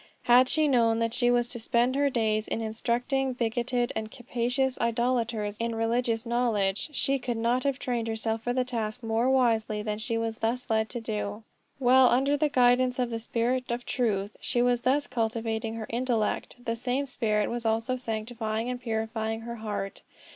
Had she known that she was to spend her days in instructing bigoted and captious idolaters in religious knowledge, she could not have trained herself for the task more wisely than she was thus led to do. While, under the guidance of the Spirit of truth, she was thus cultivating her intellect, that same Spirit was also sanctifying and purifying her heart.